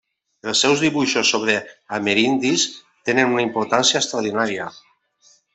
Els seus dibuixos sobre amerindis tenen una importància extraordinària.